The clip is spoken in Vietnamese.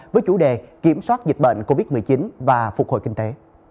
với chủ đề kiểm soát dịch bệnh covid một mươi chín và phục hồi kinh tế